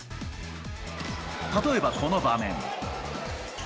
例えばこの場面。